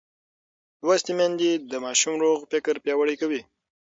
لوستې میندې د ماشوم روغ فکر پیاوړی کوي.